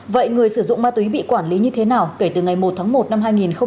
vậy người sử dụng ma túy bị quản lý như thế nào kể từ ngày một tháng một năm hai nghìn hai mươi